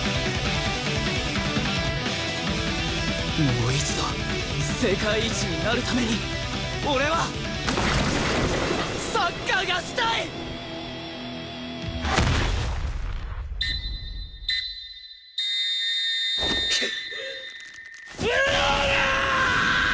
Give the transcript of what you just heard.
もう一度世界一になるために俺はサッカーがしたい！！オラーーーーッ！！